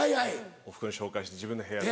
お袋に紹介して自分の部屋へ。